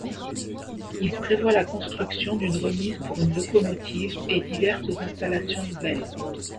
Il prévoit la construction d'une remise pour une locomotive et diverses installations nouvelles.